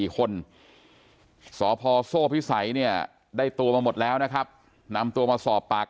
๔คนสพโซ่พิสัยเนี่ยได้ตัวมาหมดแล้วนะครับนำตัวมาสอบปาก